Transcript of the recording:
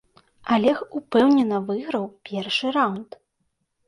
Алег упэўнена выйграў першы раўнд.